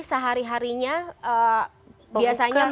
ya hari harinya biasanya